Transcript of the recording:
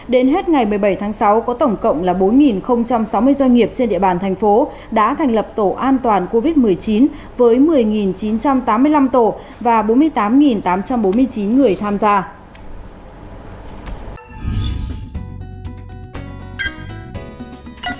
đến hết ngày một mươi bảy tháng sáu có tổng cộng là bốn sáu mươi doanh nghiệp trên địa bàn thành phố đã thành lập tổ an toàn covid một mươi chín với một mươi chín trăm tám mươi năm tổ và bốn mươi tám tám trăm bốn mươi chín người tham gia